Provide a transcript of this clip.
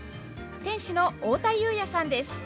店主の太田有哉さんです。